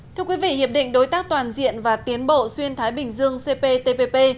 thưa quý vị hiệp định đối tác toàn diện và tiến bộ xuyên thái bình dương cptpp